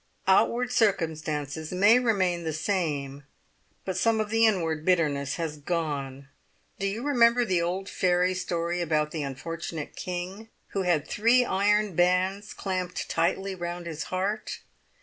Outward circumstances may remain the same, but some of the inward bitterness has gone! Do you remember the old fairy story about the unfortunate king who had three iron bands clamped tightly round his heart?